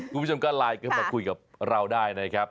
คุณผู้ชมก็ไลน์กันมาคุยกับเราได้นะครับ